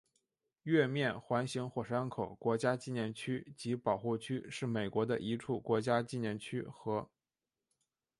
月面环形火山口国家纪念区及保护区是美国的一处国家纪念区和。